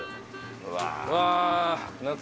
うわ。